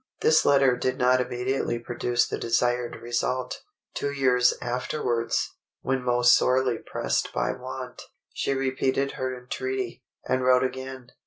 This letter did not immediately produce the desired result. Two years afterwards, when most sorely pressed by want, she repeated her entreaty, and wrote again.